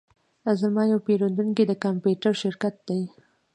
زما یو پیرودونکی د کمپیوټر شرکت دی